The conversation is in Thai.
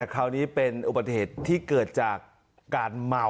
คราวนี้เป็นอุบัติเหตุที่เกิดจากการเมา